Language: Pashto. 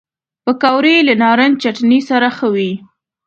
پکورې له نارنج چټني سره ښه وي